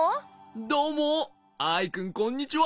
どうもアイくんこんにちは。